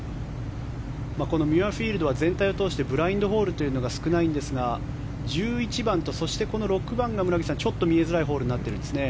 ミュアフィールドは全体通してブラインドホールというのが少ないんですが１１番と、そしてこの６番が村口さんちょっと見えづらいホールになっているんですね。